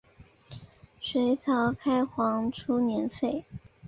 隋朝开皇初年废。